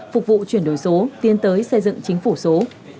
phục vụ chuyển đổi số tiến tới xây dựng chính phủ số